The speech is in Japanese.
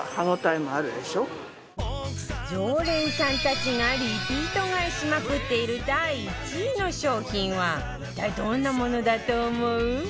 常連さんたちがリピート買いしまくっている第１位の商品は一体どんなものだと思う？